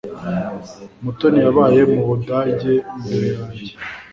Mutoni yabaye mu Budage mbere yanjye